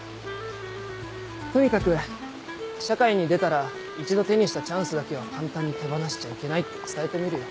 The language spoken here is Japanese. とにかく社会に出たら一度手にしたチャンスだけは簡単に手放しちゃいけないって伝えてみるよ。